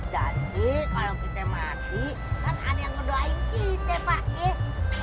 jadi kalo kita mati kan ada yang mendoain kita pak